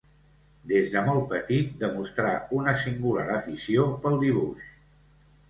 Des de molt petit demostrà una singular afició pel dibuix.